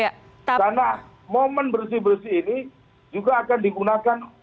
karena momen bersih bersih ini juga akan digunakan